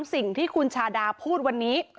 สิ่งที่คุณชาดาพูดวันนี้